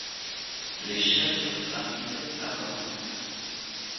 Les chèvres gravides avortent.